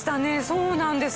そうなんです。